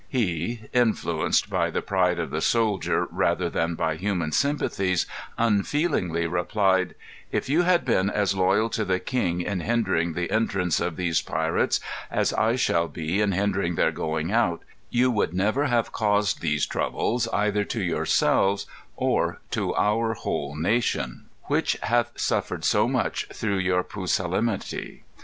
He, influenced by the pride of the soldier rather than by human sympathies, unfeelingly replied: "If you had been as loyal to the king in hindering the entrance of these pirates as I shall be in hindering their going out, you would never have caused these troubles either to yourselves or to our whole nation, which hath suffered so much through your pusillanimity.